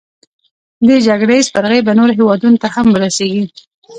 دې جګړې سپرغۍ به نورو هیوادونو ته هم ورسیږي.